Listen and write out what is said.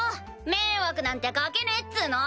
迷惑なんて掛けねえっつうの！